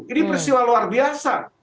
ini peristiwa luar biasa